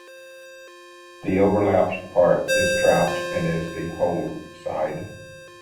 The overlapped part is trapped and is the hold-side.